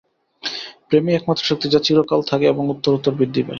প্রেমই একমাত্র শক্তি, যা চিরকাল থাকে এবং উত্তরোত্তর বৃদ্ধি পায়।